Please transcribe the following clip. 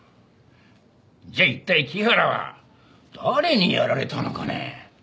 じゃあ一体木原は誰にやられたのかね？